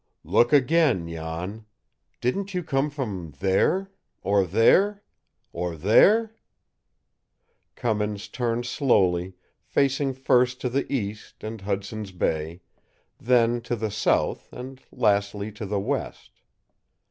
"Look again, Jan! Didn't you come from there, or there, or there?" Cummins turned slowly, facing first to the east and Hudson's Bay, then to the south, and lastly to the west.